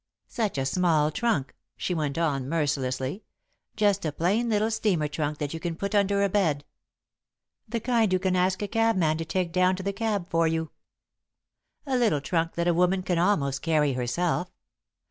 "Such a small trunk," she went on, mercilessly. "Just a plain little steamer trunk that you can put under a bed. The kind you can ask a cabman to take down to the cab for you. A little trunk that a woman can almost carry herself!